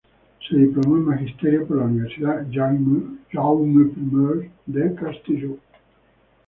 Se diplomó en Magisterio por la Universidad Jaime I de Castellón.